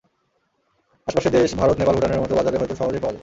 আশপাশের দেশ ভারত, নেপাল, ভুটানের মতো বাজারে হয়তো সহজেই যাওয়া যায়।